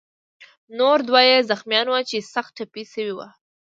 نور دوه یې زخمیان وو چې سخت ټپي شوي وو.